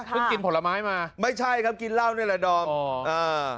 กินผลไม้มาไม่ใช่ครับกินเหล้านี่แหละดอมอ่า